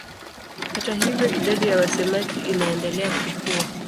Hata hivyo idadi ya wasemaji inaendelea kukua.